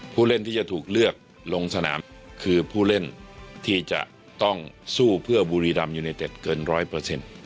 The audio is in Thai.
ผู้เล่นที่จะถูกเลือกลงสนามคือผู้เล่นที่จะต้องสู้เพื่อบุรีรัมยูเนเต็ดเกินร้อยเปอร์เซ็นต์